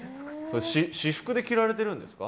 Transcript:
私服で着られてるんですか？